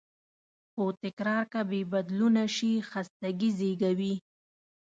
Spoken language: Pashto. خو تکرار که بېبدلونه شي، خستګي زېږوي.